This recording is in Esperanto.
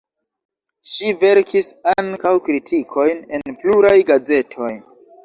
Ŝi verkis ankaŭ kritikojn en pluraj gazetoj.